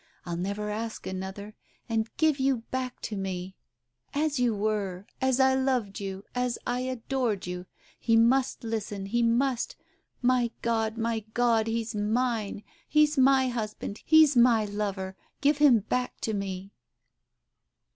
I'll never ask another — and give you back to me ! As you were — as I loved you— as I adored you ! He must listen. He must 1 My God, my God, he's mine — he's my hus band, he's my lover — give him back to me